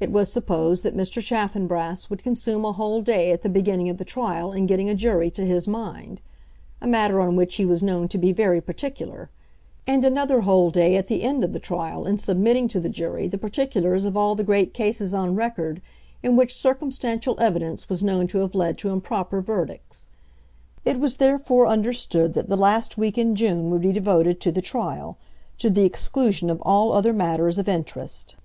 It was supposed that Mr. Chaffanbrass would consume a whole day at the beginning of the trial in getting a jury to his mind, a matter on which he was known to be very particular, and another whole day at the end of the trial in submitting to the jury the particulars of all the great cases on record in which circumstantial evidence was known to have led to improper verdicts. It was therefore understood that the last week in June would be devoted to the trial, to the exclusion of all other matters of interest.